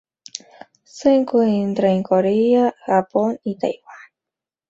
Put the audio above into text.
Se encuentra en Corea, Japón, y Taiwán.